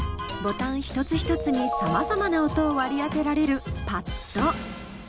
ボタン一つ一つに様々な音を割り当てられるパッド。